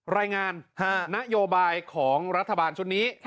รายงานนโยบายของรัฐบาลชุดนี้